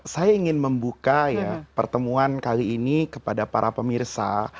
saya ingin membuka pertemuan kali ini kepada para pemirsa